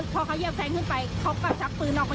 พอเขาเยียบแทงขึ้นไปเขาก็ชักปืนออกมา